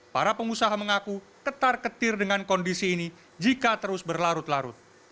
para pengusaha mengaku ketar ketir dengan kondisi ini jika terus berlarut larut